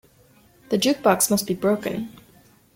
The jukebox must be broken.